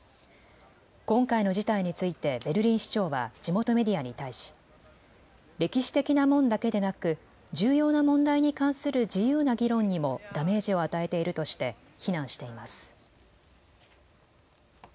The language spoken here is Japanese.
今回の事態についてベルリン市長は地元メディアに対し、歴史的な門だけでなく重要な問題に関する自由な議論にもダメージを与えているとして非難しています。